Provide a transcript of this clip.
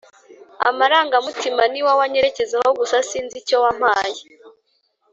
Amarangamutima niwowe anyerekezaho gusa sinzi icyo wampaye